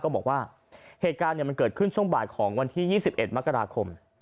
บอกว่าเหตุการณ์มันเกิดขึ้นช่วงบ่ายของวันที่๒๑มกราคม